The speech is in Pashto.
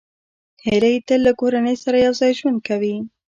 هیلۍ تل له کورنۍ سره یوځای ژوند کوي